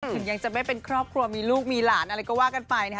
ถึงยังจะไม่เป็นครอบครัวมีลูกมีหลานอะไรก็ว่ากันไปนะฮะ